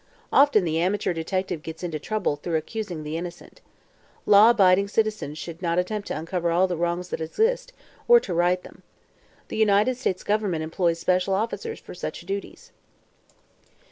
Often the amateur detective gets into trouble through accusing the innocent. Law abiding citizens should not attempt to uncover all the wrongs that exist, or to right them. The United States Government employs special officers for such duties."